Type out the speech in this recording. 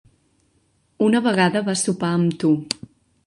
Una vegada va sopar amb tu.